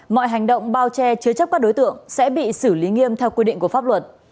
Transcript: mọi hành động bao che chứa chấp các đối tượng sẽ bị xử lý nghiêm theo quy định của pháp luật